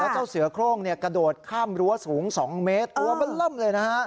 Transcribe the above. เจ้าเสือโครงกระโดดข้ามรั้วสูง๒เมตรตัวมันเริ่มเลยนะฮะ